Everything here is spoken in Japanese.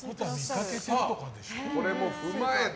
これも踏まえて。